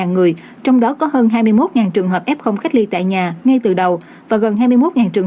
một mươi năm người trong đó có hơn hai mươi một trường hợp f cách ly tại nhà ngay từ đầu và gần hai mươi một trường